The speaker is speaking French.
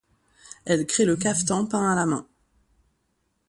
Elle crée le caftan peint à la main.